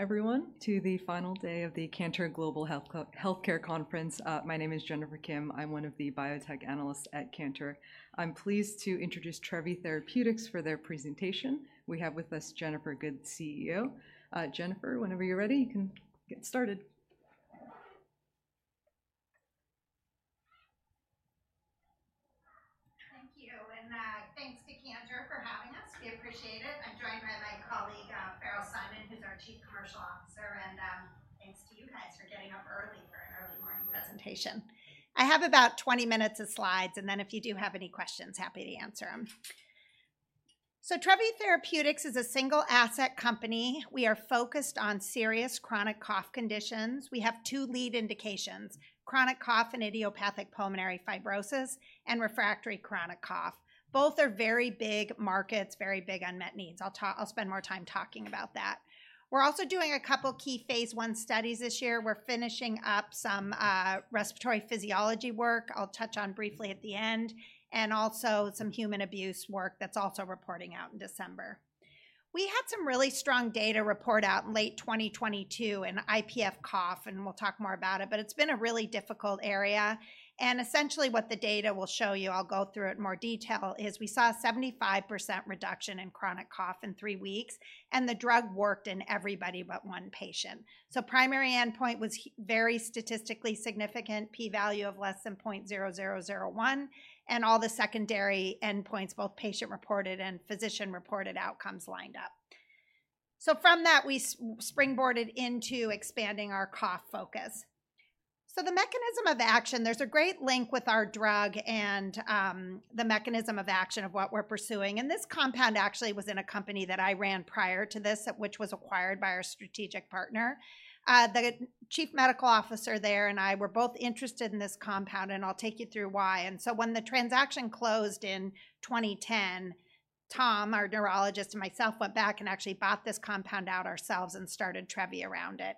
Everyone, to the final day of the Cantor Global Healthcare Conference. My name is Jennifer Kim. I'm one of the biotech analysts at Cantor. I'm pleased to introduce Trevi Therapeutics for their presentation. We have with us, Jennifer Good, CEO. Jennifer, whenever you're ready, you can get started. Thank you, and thanks to Cantor for having us. We appreciate it. I'm joined by my colleague Farrell Simon, who's our Chief Commercial Officer, and thanks to you guys for getting up early for an early morning presentation. I have about 20 minutes of slides, and then if you do have any questions, happy to answer them. Trevi Therapeutics is a single-asset company. We are focused on serious chronic cough conditions. We have two lead indications, chronic cough and idiopathic pulmonary fibrosis and refractory chronic cough. Both are very big markets, very big unmet needs. I'll spend more time talking about that. We're also doing a couple key phase I studies this year. We're finishing up some respiratory physiology work I'll touch on briefly at the end, and also some human abuse work that's also reporting out in December. We had some really strong data report out in late 2022 in IPF cough, and we'll talk more about it, but it's been a really difficult area. And essentially, what the data will show you, I'll go through it in more detail, is we saw a 75% reduction in chronic cough in three weeks, and the drug worked in everybody but one patient. So primary endpoint was very statistically significant, p-value of less than 0.0001, and all the secondary endpoints, both patient-reported and physician-reported outcomes, lined up. So from that, we spring boarded into expanding our cough focus. So the mechanism of action, there's a great link with our drug and the mechanism of action of what we're pursuing. And this compound actually was in a company that I ran prior to this, which was acquired by our strategic partner. The chief medical officer there and I were both interested in this compound, and I'll take you through why. And so when the transaction closed in twenty ten, Tom, our neurologist, and myself went back and actually bought this compound out ourselves and started Trevi around it.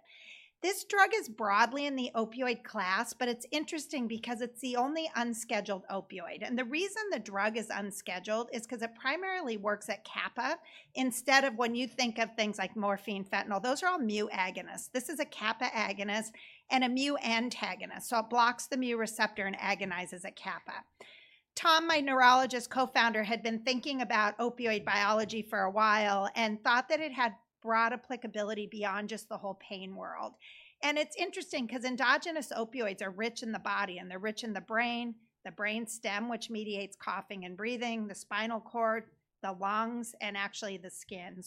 This drug is broadly in the opioid class, but it's interesting because it's the only unscheduled opioid. And the reason the drug is unscheduled is 'cause it primarily works at kappa. Instead of when you think of things like morphine, fentanyl, those are all mu agonists. This is a kappa agonist and a mu antagonist, so it blocks the mu receptor and agonizes at kappa. Tom, my neurologist co-founder, had been thinking about opioid biology for a while and thought that it had broad applicability beyond just the whole pain world. It's interesting 'cause endogenous opioids are rich in the body, and they're rich in the brain, the brain stem, which mediates coughing and breathing, the spinal cord, the lungs, and actually the skin.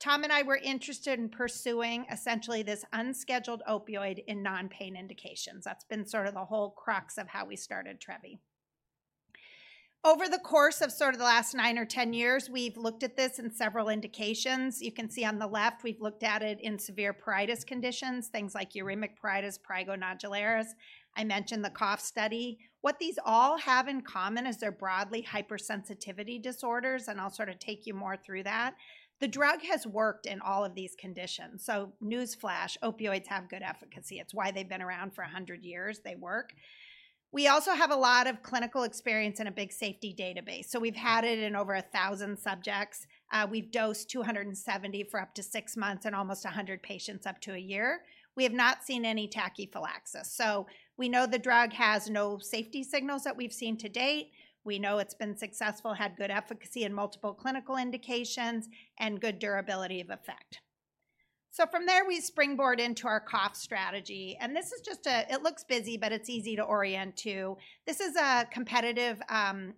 Tom and I were interested in pursuing essentially this unscheduled opioid in non-pain indications. That's been sort of the whole crux of how we started Trevi. Over the course of sort of the last nine or ten years, we've looked at this in several indications. You can see on the left, we've looked at it in severe pruritus conditions, things like uremic pruritus, prurigo nodularis. I mentioned the cough study. What these all have in common is they're broadly hypersensitivity disorders, and I'll sort of take you more through that. The drug has worked in all of these conditions. So Newsflash, opioids have good efficacy. It's why they've been around for a hundred years. They work. We also have a lot of clinical experience and a big safety database, so we've had it in over a thousand subjects. We've dosed two hundred and seventy for up to six months and almost a hundred patients up to a year. We have not seen any tachyphylaxis, so we know the drug has no safety signals that we've seen to date. We know it's been successful, had good efficacy in multiple clinical indications, and good durability of effect. So from there, we springboard into our cough strategy, and this is just a... It looks busy, but it's easy to orient to. This is a competitive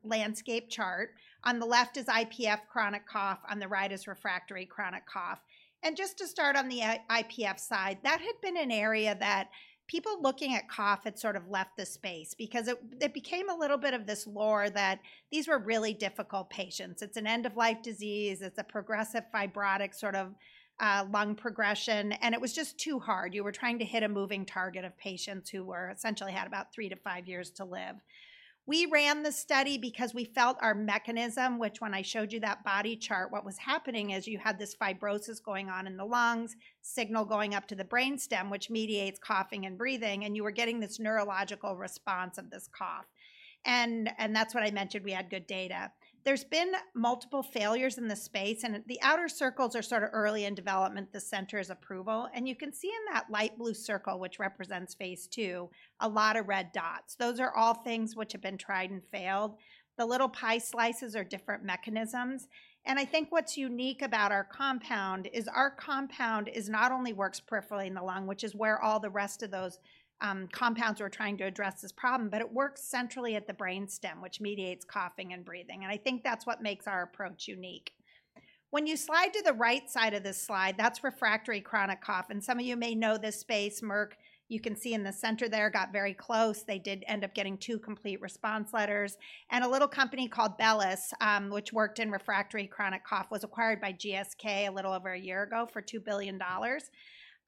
landscape chart. On the left is IPF chronic cough, on the right is refractory chronic cough. Just to start on the IPF side, that had been an area that people looking at cough had sort of left the space because it became a little bit of this lore that these were really difficult patients. It's an end-of-life disease. It's a progressive fibrotic sort of lung progression, and it was just too hard. You were trying to hit a moving target of patients who were essentially had about three to five years to live. We ran the study because we felt our mechanism, which when I showed you that body chart, what was happening is you had this fibrosis going on in the lungs, signal going up to the brain stem, which mediates coughing and breathing, and you were getting this neurological response of this cough. And that's what I mentioned, we had good data. There's been multiple failures in this space, and at the outer circles are sort of early in development, the center is approval, and you can see in that light blue circle, which represents phase II, a lot of red dots. Those are all things which have been tried and failed. The little pie slices are different mechanisms, and I think what's unique about our compound is our compound is not only works peripherally in the lung, which is where all the rest of those, compounds were trying to address this problem, but it works centrally at the brain stem, which mediates coughing and breathing, and I think that's what makes our approach unique. When you slide to the right side of this slide, that's refractory chronic cough, and some of you may know this space. Merck, you can see in the center there, got very close. They did end up getting two complete response letters, and a little company called Bellus, which worked in refractory chronic cough, was acquired by GSK a little over a year ago for $2 billion.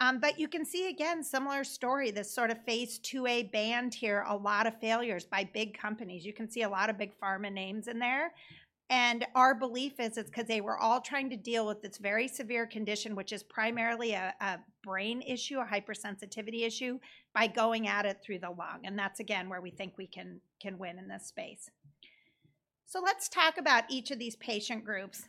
But you can see, again, similar story, this sort of phase II-A band here, a lot of failures by big companies. You can see a lot of big pharma names in there, and our belief is it's 'cause they were all trying to deal with this very severe condition, which is primarily a brain issue or hypersensitivity issue, by going at it through the lung, and that's again, where we think we can win in this space.... So let's talk about each of these patient groups.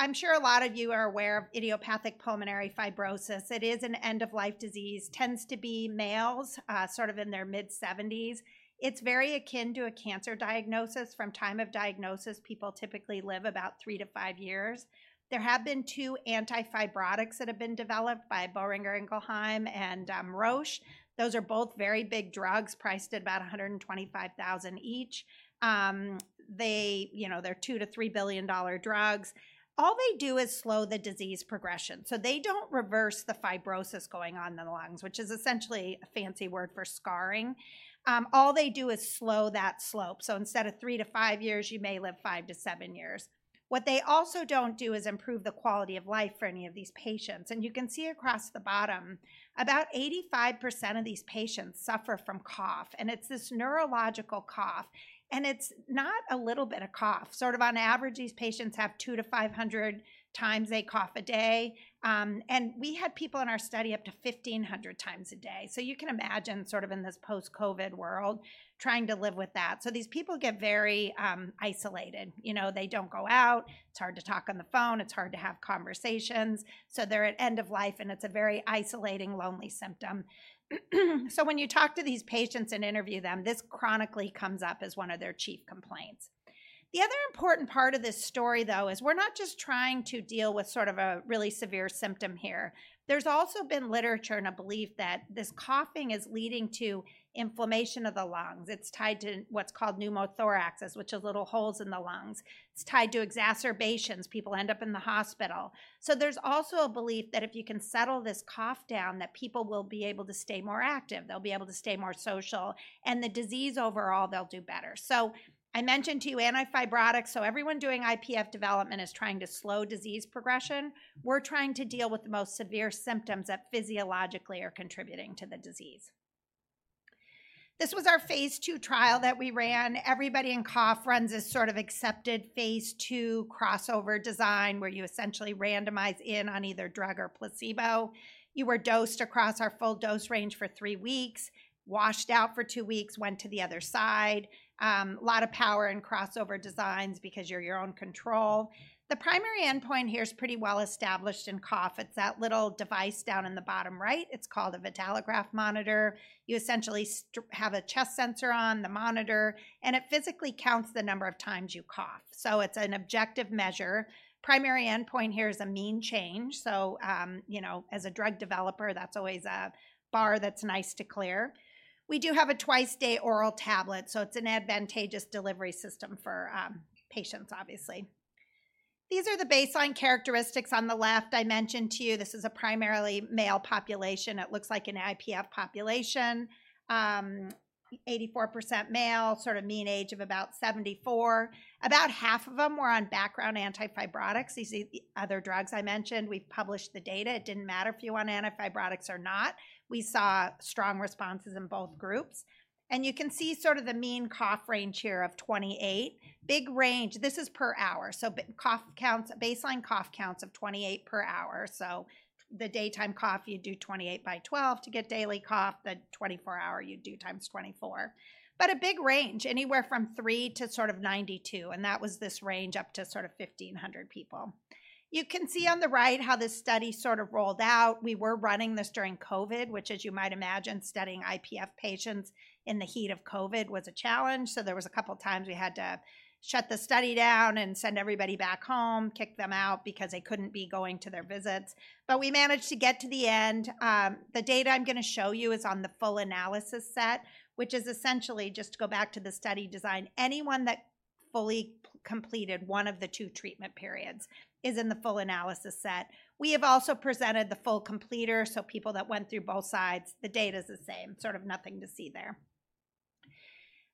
I'm sure a lot of you are aware of Idiopathic Pulmonary Fibrosis. It is an end-of-life disease, tends to be males, sort of in their mid-seventies. It's very akin to a cancer diagnosis. From time of diagnosis, people typically live about three to five years. There have been two antifibrotics that have been developed by Boehringer Ingelheim and Roche. Those are both very big drugs, priced at about $125,000 each. They, you know, they're $2-$3 billion drugs. All they do is slow the disease progression, so they don't reverse the fibrosis going on in the lungs, which is essentially a fancy word for scarring. All they do is slow that slope. So instead of three to five years, you may live five to seven years. What they also don't do is improve the quality of life for any of these patients, and you can see across the bottom, about 85% of these patients suffer from cough, and it's this neurological cough, and it's not a little bit of cough. Sort of on average, these patients have 200-500 times they cough a day, and we had people in our study up to 1,500 times a day. So you can imagine sort of in this post-COVID world, trying to live with that. So these people get very isolated. You know, they don't go out. It's hard to talk on the phone. It's hard to have conversations. So they're at end of life, and it's a very isolating, lonely symptom. So when you talk to these patients and interview them, this chronically comes up as one of their chief complaints. The other important part of this story, though, is we're not just trying to deal with sort of a really severe symptom here. There's also been literature and a belief that this coughing is leading to inflammation of the lungs. It's tied to what's called pneumothorax, which are little holes in the lungs. It's tied to exacerbations. People end up in the hospital. So there's also a belief that if you can settle this cough down, that people will be able to stay more active. They'll be able to stay more social, and the disease overall, they'll do better. So I mentioned to you antifibrotics. So everyone doing IPF development is trying to slow disease progression. We're trying to deal with the most severe symptoms that physiologically are contributing to the disease. This was our phase II trial that we ran. Everybody in cough runs this sort of accepted phase II crossover design, where you essentially randomize in on either drug or placebo. You were dosed across our full dose range for three weeks, washed out for two weeks, went to the other side. A lot of power in crossover designs because you're your own control. The primary endpoint here is pretty well established in cough. It's that little device down in the bottom right. It's called a Vitalograph monitor. You essentially have a chest sensor on the monitor, and it physically counts the number of times you cough. So it's an objective measure. Primary endpoint here is a mean change, so you know, as a drug developer, that's always a bar that's nice to clear. We do have a twice-a-day oral tablet, so it's an advantageous delivery system for patients, obviously. These are the baseline characteristics on the left. I mentioned to you, this is a primarily male population. It looks like an IPF population. 84% male, sort of mean age of about 74. About half of them were on background antifibrotics, these, these other drugs I mentioned. We've published the data. It didn't matter if you were on antifibrotics or not. We saw strong responses in both groups, and you can see sort of the mean cough range here of 28. Big range. This is per hour, so cough counts, baseline cough counts of 28 per hour. So the daytime cough, you do 28 by 12 to get daily cough, the twenty-four-hour, you do times 24. But a big range, anywhere from 3 to sort of 92, and that was this range up to sort of 1,500 people. You can see on the right how this study sort of rolled out. We were running this during COVID, which, as you might imagine, studying IPF patients in the heat of COVID was a challenge. So there was a couple times we had to shut the study down and send everybody back home, kick them out because they couldn't be going to their visits. But we managed to get to the end. The data I'm gonna show you is on the full analysis set, which is essentially, just to go back to the study design, anyone that fully completed one of the two treatment periods is in the full analysis set. We have also presented the full completer, so people that went through both sides. The data's the same, sort of nothing to see there.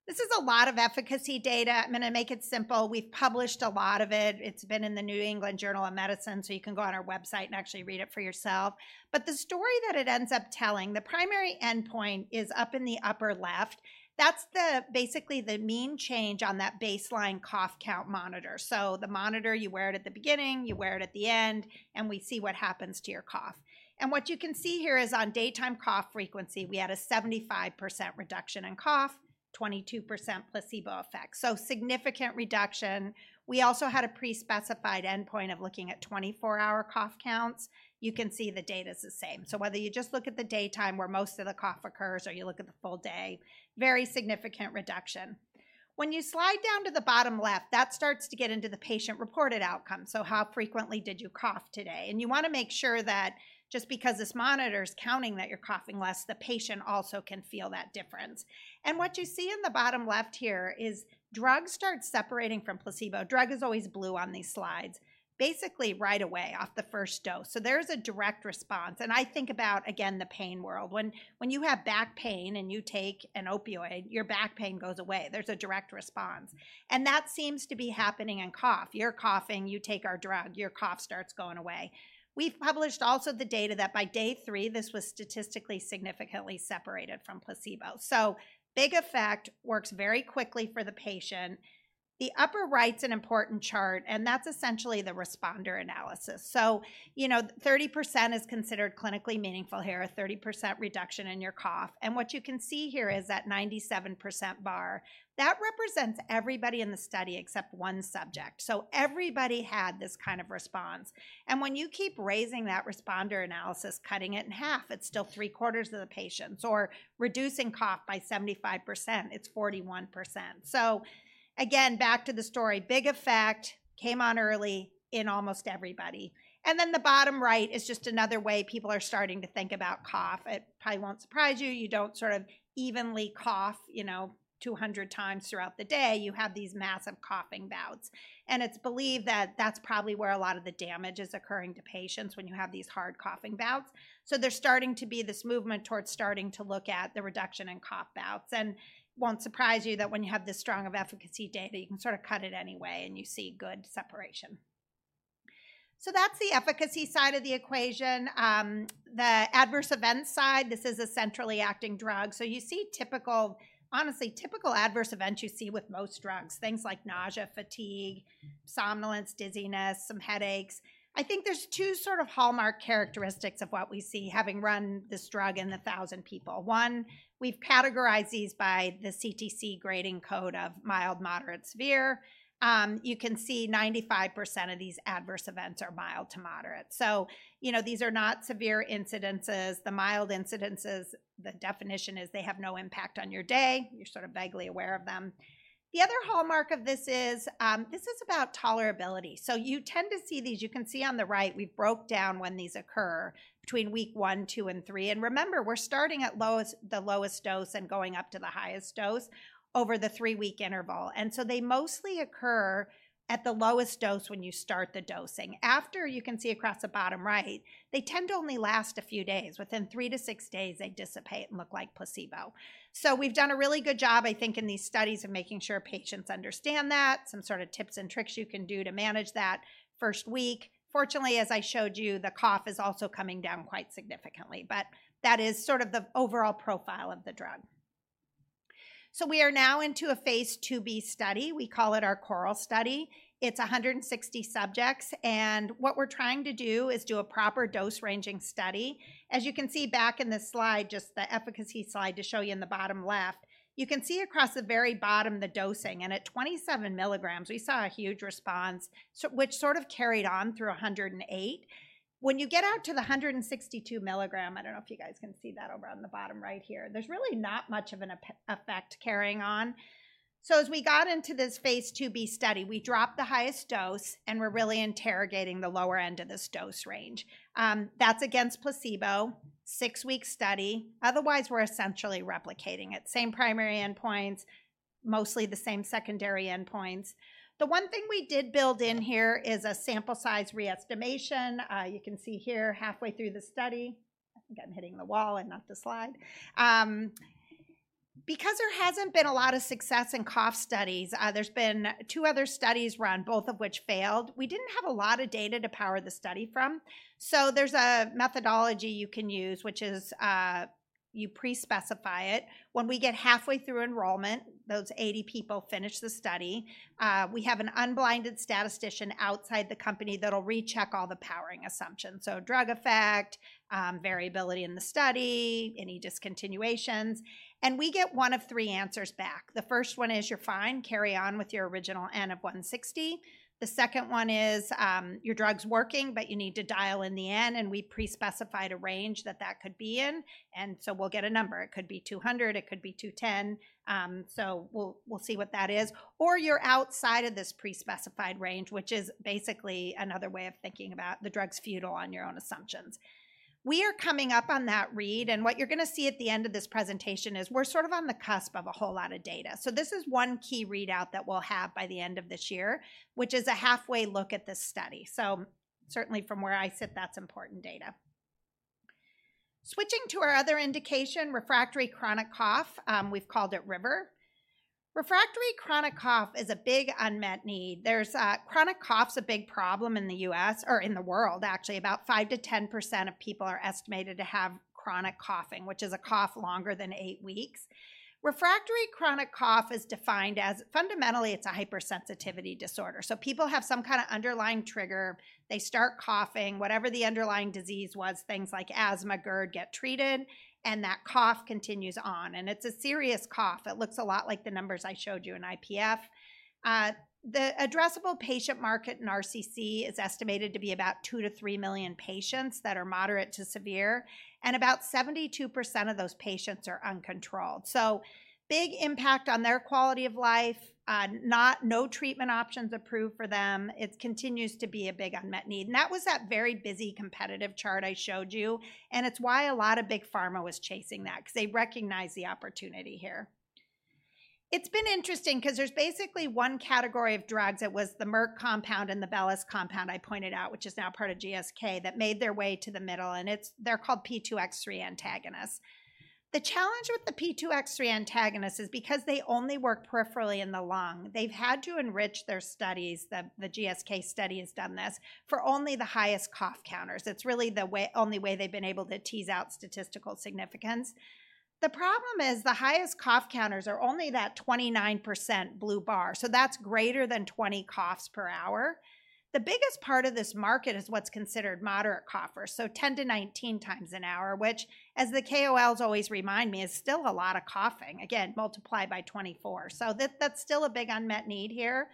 This is a lot of efficacy data. I'm gonna make it simple. We've published a lot of it. It's been in the New England Journal of Medicine, so you can go on our website and actually read it for yourself. But the story that it ends up telling, the primary endpoint is up in the upper left. That's basically the mean change on that baseline cough count monitor. So the monitor, you wear it at the beginning, you wear it at the end, and we see what happens to your cough. And what you can see here is on daytime cough frequency, we had a 75% reduction in cough, 22% placebo effect, so significant reduction. We also had a pre-specified endpoint of looking at 24-hour cough counts. You can see the data's the same. So whether you just look at the daytime, where most of the cough occurs, or you look at the full day, very significant reduction. When you slide down to the bottom left, that starts to get into the patient-reported outcome, so how frequently did you cough today? And you wanna make sure that just because this monitor's counting that you're coughing less, the patient also can feel that difference. And what you see in the bottom left here is drug starts separating from placebo, drug is always blue on these slides, basically right away off the first dose. So there's a direct response, and I think about, again, the pain world. When you have back pain and you take an opioid, your back pain goes away. There's a direct response, and that seems to be happening in cough. You're coughing, you take our drug, your cough starts going away. We've published also the data that by day three, this was statistically significantly separated from placebo. So big effect, works very quickly for the patient. The upper right's an important chart, and that's essentially the responder analysis. So, you know, 30% is considered clinically meaningful here, a 30% reduction in your cough. And what you can see here is that 97% bar. That represents everybody in the study except one subject. So everybody had this kind of response, and when you keep raising that responder analysis, cutting it in half, it's still three-quarters of the patients, or reducing cough by 75%, it's 41%. So again, back to the story, big effect, came on early in almost everybody. And then the bottom right is just another way people are starting to think about cough. It probably won't surprise you, you don't sort of evenly cough, you know, 200 times throughout the day. You have these massive coughing bouts, and it's believed that that's probably where a lot of the damage is occurring to patients when you have these hard coughing bouts. So there's starting to be this movement towards starting to look at the reduction in cough bouts, and won't surprise you that when you have this strong of efficacy data, you can sort of cut it any way, and you see good separation. So that's the efficacy side of the equation. The adverse event side, this is a centrally acting drug. So you see typical, honestly, typical adverse events you see with most drugs, things like nausea, fatigue, somnolence, dizziness, some headaches. I think there's two sort of hallmark characteristics of what we see, having run this drug in a thousand people. One, we've categorized these by the CTC grading code of mild, moderate, severe. You can see 95% of these adverse events are mild to moderate. So, you know, these are not severe incidences. The mild incidences, the definition is they have no impact on your day. You're sort of vaguely aware of them. The other hallmark of this is, this is about tolerability. So you tend to see these. You can see on the right, we've broke down when these occur between week one, two, and three, and remember, we're starting at the lowest dose and going up to the highest dose over the three-week interval, and so they mostly occur at the lowest dose when you start the dosing. After, you can see across the bottom right, they tend to only last a few days. Within three to six days, they dissipate and look like placebo. So we've done a really good job, I think, in these studies of making sure patients understand that. Some sort of tips and tricks you can do to manage that first week. Fortunately, as I showed you, the cough is also coming down quite significantly, but that is sort of the overall profile of the drug. So we are now into a phase II-B study. We call it our CORAL study. It's 160 subjects, and what we're trying to do is do a proper dose-ranging study. As you can see back in this slide, just the efficacy slide to show you in the bottom left, you can see across the very bottom, the dosing, and at 27 milligrams, we saw a huge response, so, which sort of carried on through 108. When you get out to the 162 milligram, I don't know if you guys can see that over on the bottom right here, there's really not much of an effect carrying on. So as we got into this phase II-B study, we dropped the highest dose, and we're really interrogating the lower end of this dose range. That's against placebo, six-week study. Otherwise, we're essentially replicating it. Same primary endpoints, mostly the same secondary endpoints. The one thing we did build in here is a sample size re-estimation. You can see here halfway through the study... I think I'm hitting the wall and not the slide. Because there hasn't been a lot of success in cough studies, there's been two other studies run, both of which failed. We didn't have a lot of data to power the study from. So there's a methodology you can use, which is, you pre-specify it. When we get halfway through enrollment, those 80 people finish the study, we have an unblinded statistician outside the company that'll recheck all the powering assumptions, so drug effect, variability in the study, any discontinuations, and we get one of three answers back. The first one is, "You're fine. Carry on with your original N of 160." The second one is, "Your drug's working, but you need to dial in the N," and we pre-specified a range that that could be in, and so we'll get a number. It could be 200, it could be 210. So we'll see what that is. Or, "You're outside of this pre-specified range," which is basically another way of thinking about the drug's futile on your own assumptions. We are coming up on that read, and what you're gonna see at the end of this presentation is we're sort of on the cusp of a whole lot of data. So this is one key readout that we'll have by the end of this year, which is a halfway look at this study. So certainly from where I sit, that's important data. Switching to our other indication, refractory chronic cough. We've called it RIVER. Refractory chronic cough is a big unmet need. There's chronic cough's a big problem in the U.S., or in the world, actually. About 5%-10% of people are estimated to have chronic coughing, which is a cough longer than eight weeks. Refractory chronic cough is defined as fundamentally, it's a hypersensitivity disorder. So people have some kind of underlying trigger. They start coughing. Whatever the underlying disease was, things like asthma, GERD, get treated, and that cough continues on, and it's a serious cough. It looks a lot like the numbers I showed you in IPF. The addressable patient market in RCC is estimated to be about two to three million patients that are moderate to severe, and about 72% of those patients are uncontrolled, so big impact on their quality of life, no treatment options approved for them. It continues to be a big unmet need, and that was that very busy, competitive chart I showed you, and it's why a lot of big pharma was chasing that, because they recognize the opportunity here. It's been interesting, 'cause there's basically one category of drugs that was the Merck compound and the Bellus compound I pointed out, which is now part of GSK, that made their way to the middle, and it's - they're called P2X3 antagonists. The challenge with the P2X3 antagonists is because they only work peripherally in the lung, they've had to enrich their studies, the GSK study has done this, for only the highest cough counters. It's really the way - only way they've been able to tease out statistical significance. The problem is, the highest cough counters are only that 29% blue bar, so that's greater than 20 coughs per hour. The biggest part of this market is what's considered moderate coughers, so 10 to 19 times an hour, which, as the KOLs always remind me, is still a lot of coughing. Again, multiply by 24. So that, that's still a big unmet need here.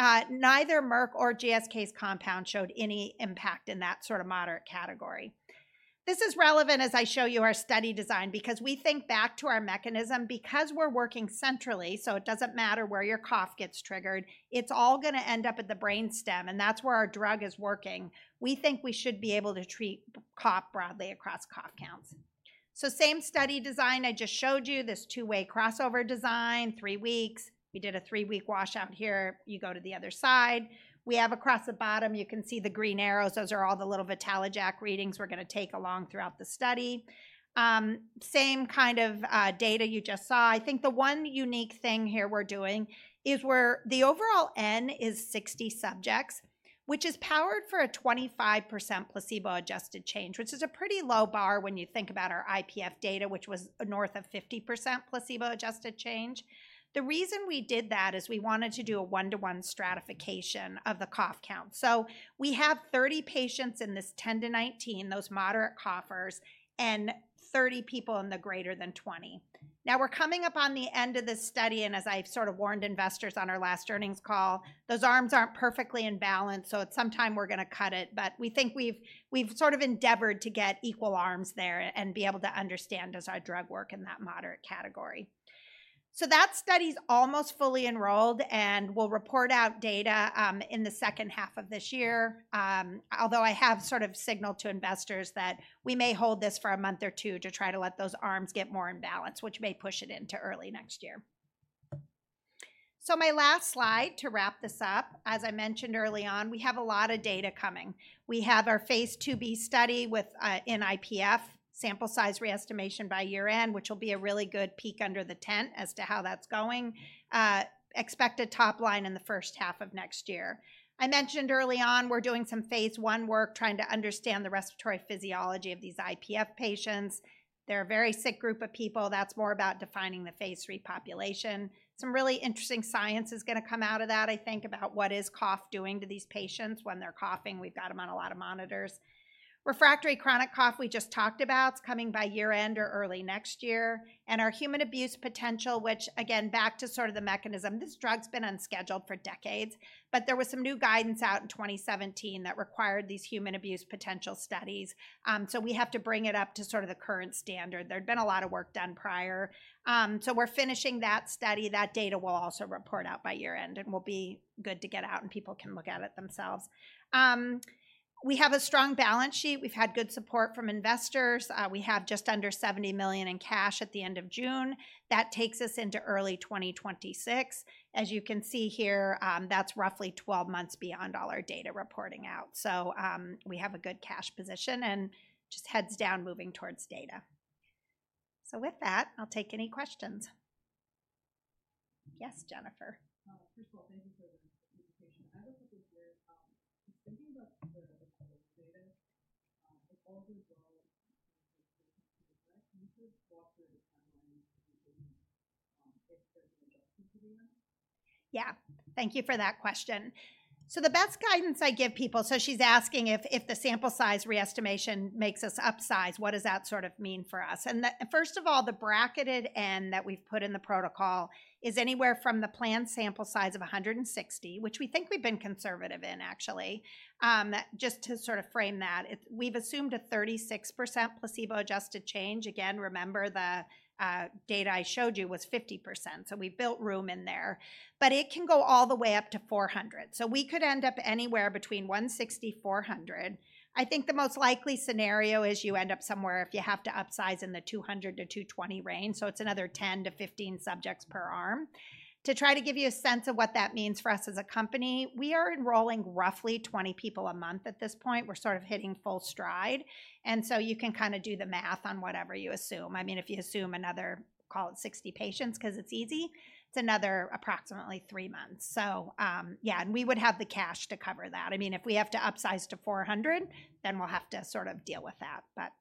Neither Merck or GSK's compound showed any impact in that sort of moderate category. This is relevant as I show you our study design, because we think back to our mechanism. Because we're working centrally, so it doesn't matter where your cough gets triggered, it's all gonna end up at the brainstem, and that's where our drug is working. We think we should be able to treat cough broadly across cough counts. So same study design I just showed you, this two-way crossover design, three weeks. We did a three-week washout here. You go to the other side. We have across the bottom, you can see the green arrows. Those are all the little VitaloJAK readings we're gonna take along throughout the study. Same kind of data you just saw. I think the one unique thing here we're doing is the overall N is 60 subjects, which is powered for a 25% placebo-adjusted change, which is a pretty low bar when you think about our IPF data, which was north of 50% placebo-adjusted change. The reason we did that is we wanted to do a 1-to-1 stratification of the cough count. So we have 30 patients in this 10 to 19, those moderate coughers, and 30 people in the greater than 20. Now, we're coming up on the end of this study, and as I've sort of warned investors on our last earnings call, those arms aren't perfectly in balance, so at some time we're gonna cut it. We think we've sort of endeavored to get equal arms there and be able to understand, does our drug work in that moderate category? So that study's almost fully enrolled, and we'll report out data in the second half of this year. Although I have sort of signaled to investors that we may hold this for a month or two to try to let those arms get more in balance, which may push it into early next year. So my last slide, to wrap this up, as I mentioned early on, we have a lot of data coming. We have our phase II-B study with in IPF, sample size re-estimation by year-end, which will be a really good peek under the tent as to how that's going. Expected top line in the first half of next year. I mentioned early on, we're doing some phase I work, trying to understand the respiratory physiology of these IPF patients. They're a very sick group of people. That's more about defining the phase III population. Some really interesting science is gonna come out of that, I think, about what is cough doing to these patients when they're coughing. We've got them on a lot of monitors. Refractory chronic cough we just talked about. It's coming by year-end or early next year. And our human abuse potential, which again, back to sort of the mechanism, this drug's been unscheduled for decades, but there was some new guidance out in 2017 that required these human abuse potential studies. So we have to bring it up to sort of the current standard. There'd been a lot of work done prior. So we're finishing that study. That data we'll also report out by year-end, and we'll be good to get out, and people can look at it themselves. We have a strong balance sheet. We've had good support from investors. We have just under $70 million in cash at the end of June. That takes us into early 2026. As you can see here, that's roughly 12 months beyond all our data reporting out. So, we have a good cash position and just heads down, moving towards data. So with that, I'll take any questions. Yes, Jennifer? First of all, thank you for the presentation. I have a couple questions. Thinking about the public data, but also as well, can you just walk through the timeline for the, if there's an adjustment to be made? Yeah. Thank you for that question. The best guidance I give people. She's asking if the sample size re-estimation makes us upsize, what does that sort of mean for us? And the first of all, the bracketed N that we've put in the protocol is anywhere from the planned sample size of 160, which we think we've been conservative in, actually. Just to sort of frame that, we've assumed a 36% placebo-adjusted change. Again, remember, the data I showed you was 50%, so we've built room in there. But it can go all the way up to 400, so we could end up anywhere between 160-400. I think the most likely scenario is you end up somewhere, if you have to upsize, in the 200-220 range, so it's another 10-15 subjects per arm. To try to give you a sense of what that means for us as a company, we are enrolling roughly 20 people a month at this point. We're sort of hitting full stride, and so you can kind of do the math on whatever you assume. I mean, if you assume another, call it 60 patients, 'cause it's easy, it's another approximately 3 months. So, yeah, and we would have the cash to cover that. I mean, if we have to upsize to 400, then we'll have to sort of deal with that but...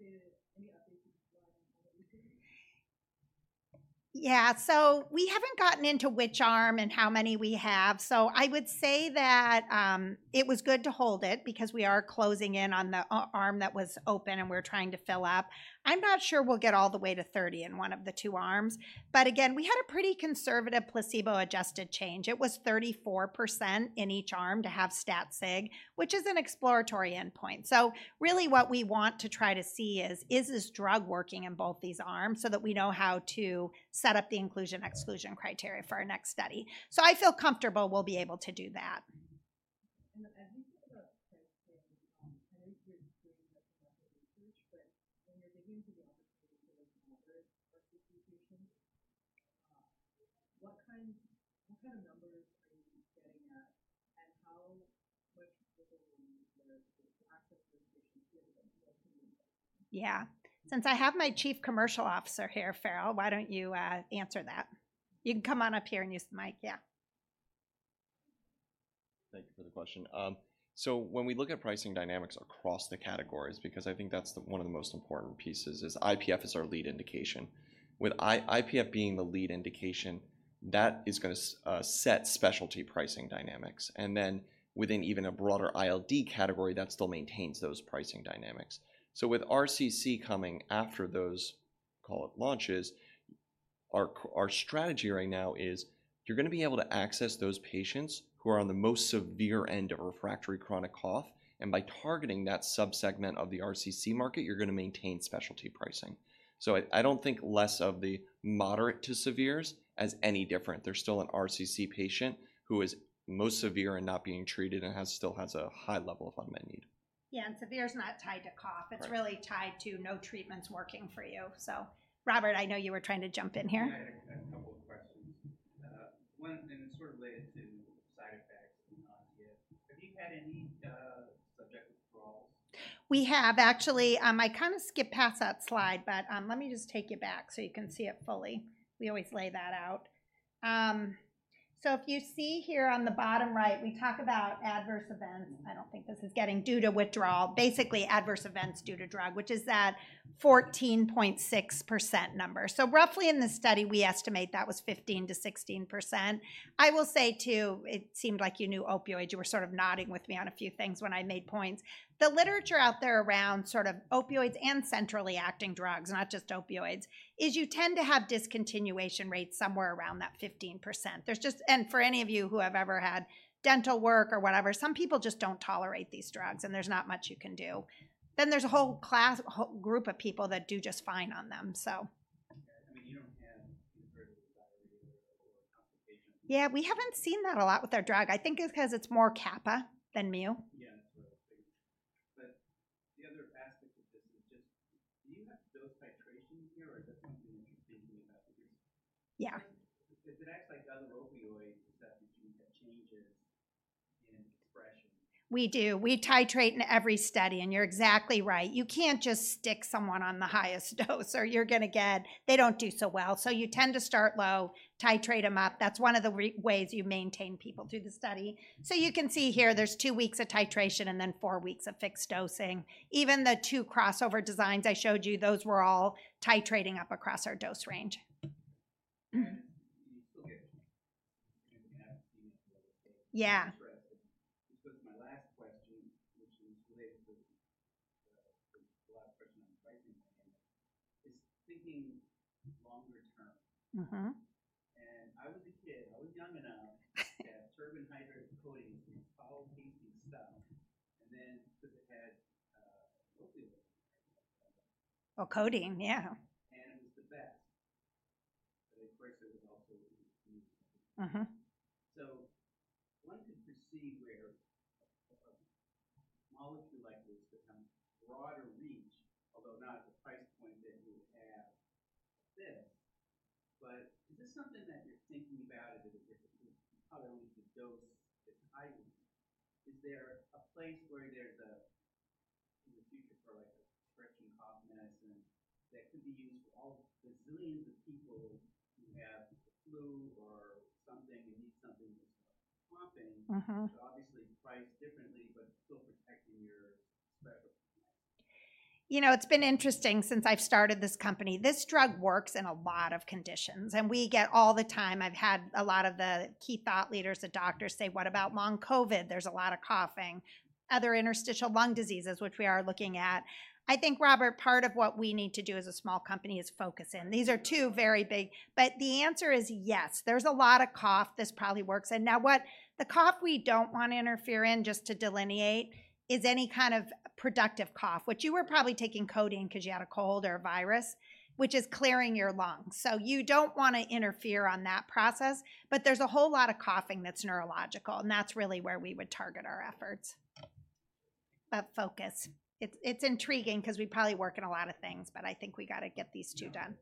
And then thinking about the progress study, the fluctuation, any updates you'd like on what we're doing? Yeah. So we haven't gotten into which arm and how many we have. So I would say that it was good to hold it because we are closing in on the arm that was open, and we're trying to fill up. I'm not sure we'll get all the way to 30 in one of the two arms, but again, we had a pretty conservative placebo-adjusted change. It was 34% in each arm to have stat sig, which is an exploratory endpoint. So really, what we want to try to see is: is this drug working in both these arms so that we know how to set up the inclusion/exclusion criteria for our next study. So I feel comfortable we'll be able to do that. ... into the opportunity for the moderate participation. What kind of numbers are you getting at, and how much people will use the access to education? Yeah. Since I have my Chief Commercial Officer here, Farrell, why don't you answer that? You can come on up here and use the mic, yeah. Thank you for the question. So when we look at pricing dynamics across the categories, because I think that's the, one of the most important pieces, is IPF is our lead indication. With IPF being the lead indication, that is gonna set specialty pricing dynamics, and then within even a broader ILD category, that still maintains those pricing dynamics. So with RCC coming after those, call it launches, our strategy right now is, you're gonna be able to access those patients who are on the most severe end of refractory chronic cough, and by targeting that subsegment of the RCC market, you're gonna maintain specialty pricing. So I don't think less of the moderate to severs as any different. They're still an RCC patient who is most severe and not being treated, and still has a high level of unmet need. Yeah, and severe is not tied to cough. Right. It's really tied to no treatments working for you. So, Robert, I know you were trying to jump in here. Yeah, I had a couple of questions. One, and it's sort of related to side effects and nausea. Have you had any subjective withdrawals? We have, actually. I kind of skipped past that slide, but, let me just take you back so you can see it fully. We always lay that out. So if you see here on the bottom right, we talk about adverse events. I don't think this is getting... due to withdrawal, basically adverse events due to drug, which is that 14.6% number. So roughly in the study, we estimate that was 15%-16%. I will say, too, it seemed like you knew opioids. You were sort of nodding with me on a few things when I made points. The literature out there around sort of opioids and centrally acting drugs, not just opioids, is you tend to have discontinuation rates somewhere around that 15%. And for any of you who have ever had dental work or whatever, some people just don't tolerate these drugs, and there's not much you can do. Then there's a whole class, whole group of people that do just fine on them, so. Yeah, I mean, you don't have constipation or complication. Yeah, we haven't seen that a lot with our drug. I think it's 'cause it's more kappa than mu. Yeah, that's what I think. But the other aspect of this is just, do you have dose titration here, or is that something you're thinking about? Yeah. If it acts like other opioids, does that mean that changes in expression? We do. We titrate in every study, and you're exactly right. You can't just stick someone on the highest dose or you're gonna get... They don't do so well. So you tend to start low, titrate them up. That's one of the real ways you maintain people through the study. So you can see here there's two weeks of titration and then four weeks of fixed dosing. Even the two crossover designs I showed you, those were all titrating up across our dose range. And you still get, you have- Yeah. Because my last question, which is related to the last question on pricing, is thinking longer term. Mm-hmm. I was a kid. I was young enough to have terpin hydrate codeine, and it followed me and stuff, and then because it had opium. Oh, Codeine, yeah. It was the best. Of course, it was also... Mm-hmm. So one could foresee where a molecule like this become broader reach, although not at the price point that you have this, but is this something that you're thinking about as a different, probably with the dose it's hiding? Is there a place where there's in the future for, like, a prescription cough medicine that could be used for all the zillions of people who have the flu or something, and need something that's popping- Mm-hmm. Obviously, priced differently, but still protecting your special? You know, it's been interesting since I've started this company. This drug works in a lot of conditions, and we get all the time. I've had a lot of the key thought leaders, the doctors say: "What about long COVID? There's a lot of coughing." Other interstitial lung diseases, which we are looking at. I think, Robert, part of what we need to do as a small company is focus in. These are two very big. But the answer is yes. There's a lot of cough this probably works in. Now, what, the cough we don't want to interfere in, just to delineate, is any kind of productive cough. Which you were probably taking codeine because you had a cold or a virus, which is clearing your lungs. So you don't wanna interfere on that process, but there's a whole lot of coughing that's neurological, and that's really where we would target our efforts. But focus. It's, it's intriguing because we probably work in a lot of things, but I think we gotta get these two done.